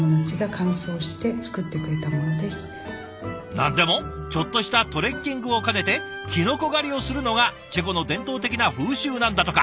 何でもちょっとしたトレッキングを兼ねてきのこ狩りをするのがチェコの伝統的な風習なんだとか。